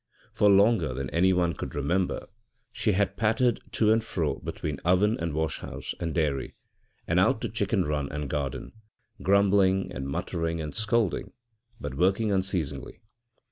For longer than anyone could remember she had pattered to and fro between oven and wash house and dairy, and out to chicken run and garden, grumbling and muttering and scolding, but working unceasingly.